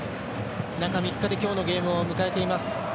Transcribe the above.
中３日で今日のゲームを迎えています。